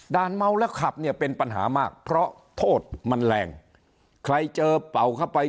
เมาแล้วขับเนี่ยเป็นปัญหามากเพราะโทษมันแรงใครเจอเป่าเข้าไป